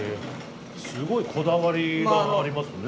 すごいこだわりがありますね。